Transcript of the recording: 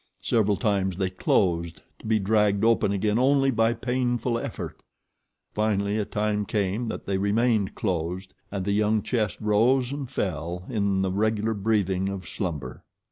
Several times they closed to be dragged open again only by painful effort. Finally came a time that they remained closed and the young chest rose and fell in the regular breathing of slumber.